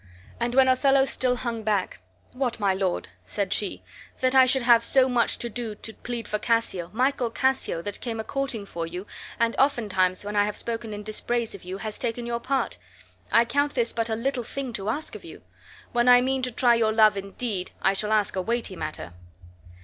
And when Othello still hung back: "What! my lord," said she, "that I should have so much to do to plead for Cassio, Michael Cassio, that came a courting for you, and oftentimes, when I have spoken in dispraise of you has taken your part! I count this but a little thing to ask of you. When I mean to try your love indeed I shall ask a weighty matter."